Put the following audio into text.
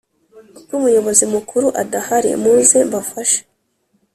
ubw Umuyobozi mukuru adahari muze mbafashe